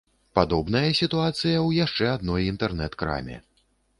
Падобная сітуацыя ў яшчэ адной інтэрнэт-краме.